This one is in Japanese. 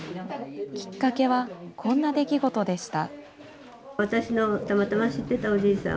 きっかけはこんな出来事でした。